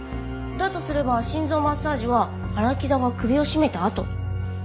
だとすれば心臓マッサージは荒木田が首を絞めたあと。